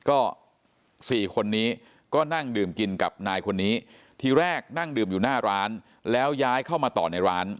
ก็๔คนนี้ก็นั่งดื่มกินกับนายคนนี้ทีแรกนั่งดื่มอยู่หน้าร้านแล้วย้ายเข้ามาต่อในร้าน